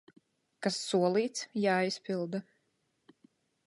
Kas solīts, jāizpilda!